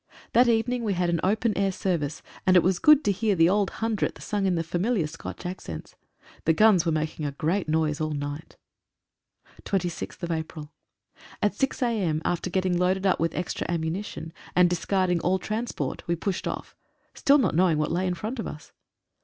That evening we had an open air service, and it was good to hear the Old Hundredth sung in the fami liar Scotch accents. The guns were making a great noise all night. 26th April— At 6 a.m., after getting loaded up with extra ammu nition, and discarding all transport, we pushed off — still not knowing what lay in front of us.